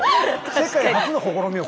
世界初の試みよ